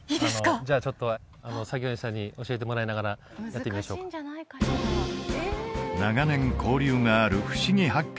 じゃあちょっと作業員さんに教えてもらいながらやってみましょうか長年交流がある「ふしぎ発見！」